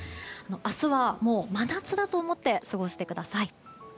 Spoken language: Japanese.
明日は、もう真夏だと思って過ごしてください。